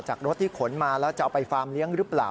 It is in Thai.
รถที่ขนมาแล้วจะเอาไปฟาร์มเลี้ยงหรือเปล่า